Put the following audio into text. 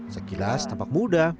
sekilas tampak mudah